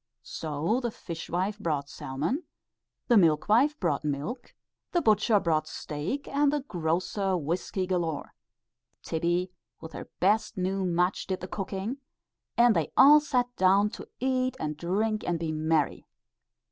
So the fishwife brought salmon, the milkwife brought milk, the butcher brought steak, and the grocer whiskey galore; Tibbie with her best new mutch did the cooking, and they all sat down to eat and to drink and be merry.